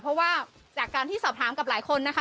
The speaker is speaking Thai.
เพราะว่าจากการที่สอบถามกับหลายคนนะคะ